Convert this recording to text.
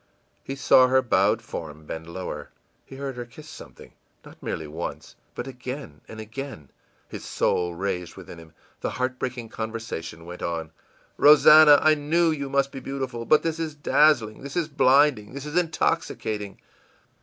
î He saw her bowed form bend lower; he heard her kiss something not merely once, but again and again! His soul raged within him. The heartbreaking conversation went on: ìRosannah, I knew you must be beautiful, but this is dazzling, this is blinding, this is intoxicating!